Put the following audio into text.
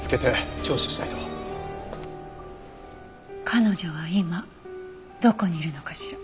彼女は今どこにいるのかしら。